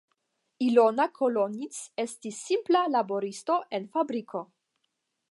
Ilona Kolonits estis simpla laboristo en fabriko.